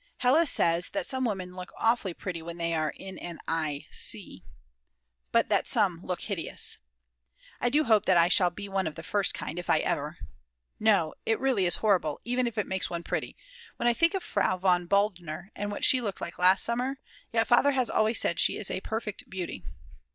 Hella says that some women look awfully pretty when they are in an i c , but that some look hideous. I do hope I shall be one of the first kind, if I ever ... No, it is really horrible, even if it makes one pretty; when I think of Frau von Baldner and what she looked like last summer, yet Father has always said she is a a perfect beauty.